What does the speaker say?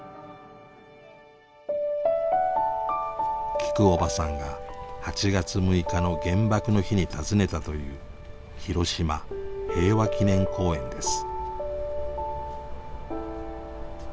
きくおばさんが８月６日の原爆の日に訪ねたという広島平和記念公園です。